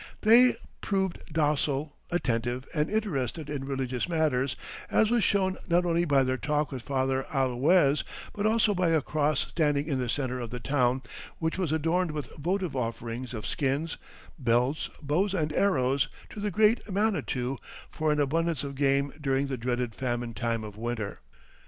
They proved docile, attentive, and interested in religious matters, as was shown not only by their talk with Father Allouez, but also by a cross standing in the centre of the town, which was adorned with votive offerings of skins, belts, bows and arrows to the Great Manitou for an abundance of game during the dreaded famine time of winter.